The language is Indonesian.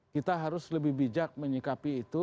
kita harus lebih bijak menyikapi itu